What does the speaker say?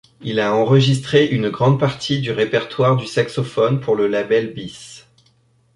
Il a enregistré une grande partie du répertoire du saxophone pour le label Bis.